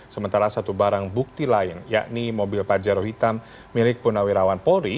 sementara satu barang bukti lain yakni mobil pajaro hitam milik punawirawan polri